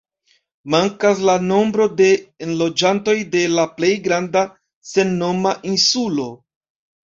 Mankas la nombro de enloĝantoj de la plej granda, sennoma insulo.